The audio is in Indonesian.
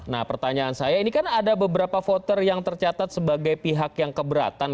nah pertanyaan saya ini kan ada beberapa voter yang tercatat sebagai pihak yang keberatan